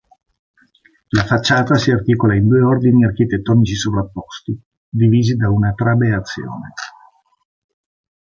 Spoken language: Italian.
La facciata si articola in due ordini architettonici sovrapposti, divisi da una trabeazione.